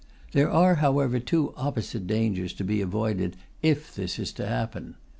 There are, however, two opposite dangers to be avoided if this is to happen.